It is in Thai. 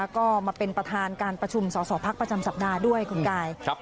ก็มาเป็นประธานการประชุมสอสอพักประจำสัปดาห์ด้วยคุณกาย